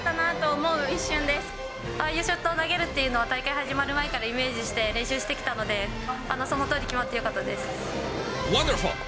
ああいうショットを投げるっていうのは、大会始まる前からイメージして、練習してきたので、ワンダフル！